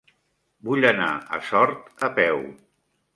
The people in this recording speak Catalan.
Vull anar a Sort a peu.